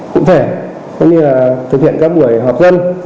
cũng thể tức là thực hiện các buổi họp dân